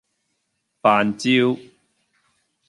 飯焦